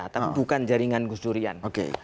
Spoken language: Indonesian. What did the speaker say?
tapi bukan jaringan gusdurian